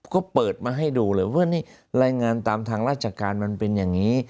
ก็เปิดมาให้ดูเลยว่านี่รายงานตามทางราชการมันเป็นอย่างนี้